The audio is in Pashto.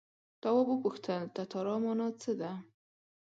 تواب وپوښتل تتارا مانا څه ده.